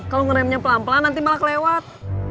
kalau ngeremnya pelan pelan nanti malah kelewat